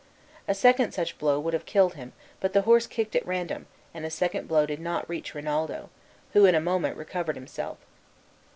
A second such blow would have killed him, but the horse kicked at random, and a second blow did not reach Rinaldo, who in a moment recovered himself.